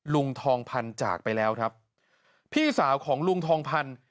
ลุงทองพันธ์จากไปแล้วครับพี่สาวของลุงทองพันธุ